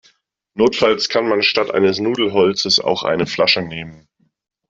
Notfalls kann man statt eines Nudelholzes auch eine Flasche nehmen.